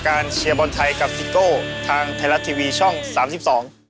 ครั้งแรกครับ